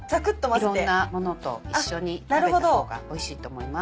いろんなものと一緒に食べた方がおいしいと思います。